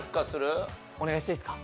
お願いしていいですか？